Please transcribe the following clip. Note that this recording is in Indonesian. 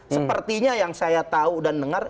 sepertinya yang saya tahu dan dengar